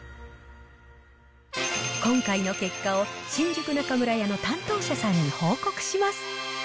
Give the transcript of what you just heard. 今回の結果を、新宿中村屋の担当者さんに報告します。